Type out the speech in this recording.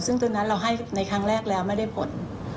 ซึ่งตอนนั้นเราให้ในครั้งแรกแล้วไม่ได้ผล